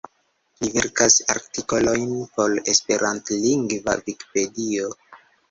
Li verkas artikolojn por esperantlingva Vikipedio.